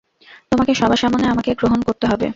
তোমাকে সবার সামনে আমাকে গ্রহণ করতে হবে।